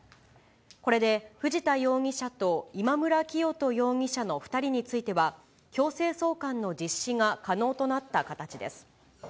これで藤田容疑者と今村磨人容疑者の２人については、強制送還の実施が可能となった形です。